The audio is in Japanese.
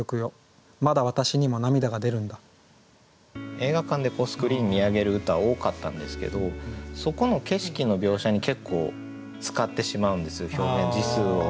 映画館でスクリーン見上げる歌多かったんですけどそこの景色の描写に結構使ってしまうんです表現字数を。